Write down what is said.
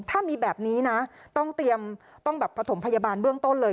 ถ้ามีแบบนี้นะต้องเตรียมต้องแบบผสมพยาบาลเบื้องต้นเลย